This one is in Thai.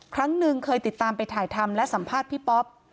ครั้งหนึ่งเคยติดตามไปถ่ายทำและสัมภาษณ์พี่ป๊อป